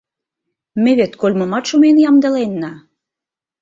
Ме вет кольмымат шумен ямдыленна.